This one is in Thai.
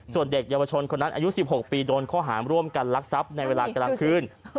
ส่วนเด็กเยาวชนคนนั้นอายุ๑๖ปีโดนข้อหามร่วมกันลักทรัพย์ในเวลากลางคืน